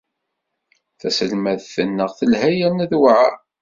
Taselmadt-nneɣ telha yerna tewɛeṛ.